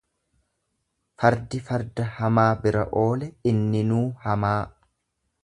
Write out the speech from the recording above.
Fardi farda hamaa bira oole inninuu hamaa.